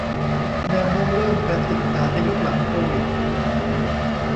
แนวโน้มเรื่องการศึกษาในยุคหลังโควิด